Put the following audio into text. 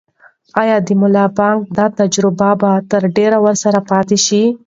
آیا د ملا بانګ دا تجربه به تر ډېره ورسره پاتې شي؟